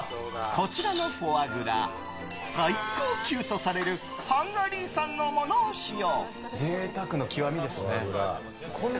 こちらのフォアグラ最高級とされるハンガリー産のものを使用。